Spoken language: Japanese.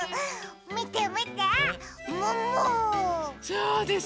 そうです